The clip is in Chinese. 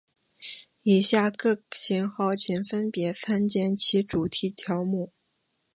以下各型号请分别参见其主题条目。